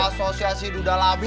asosiasi duda labil